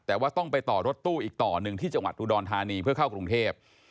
แต่ว่าต้องไปต่อรถตู้อีกต่อหนึ่งที่จังหวัดอุดรธานีเพื่อเข้ากรุงเทพ